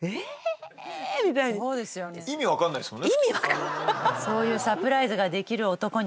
ただそういうサプライズができる男に。